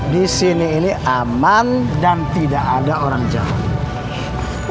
di sini ini aman dan tidak ada orang jawa